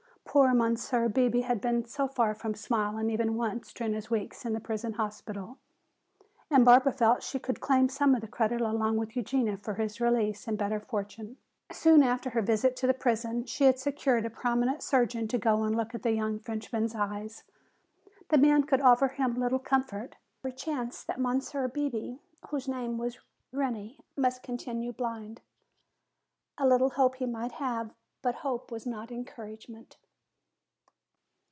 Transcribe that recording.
Poor Monsieur Bebé had been so far from smiling even once during his weeks in the prison hospital. And Barbara felt that she could claim some of the credit along with Eugenia for his release and better fortune. Soon after her visit to the prison she had secured a prominent surgeon to go and look at the young Frenchman's eyes. The man could offer him little comfort. There was every chance that Monsieur Bebé, whose name was Reney, must continue blind. A little hope he might have, but hope was not encouragement.